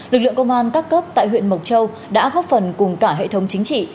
lực lượng công an các cấp tại huyện mộc châu đã góp phần cùng cả hệ thống chính trị